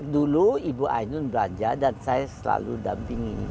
dulu ibu ainun belanja dan saya selalu dampingi